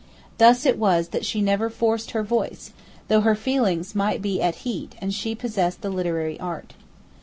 Thus it was that she never forced her voice, though her feelings might be at heat and she possessed the literary art.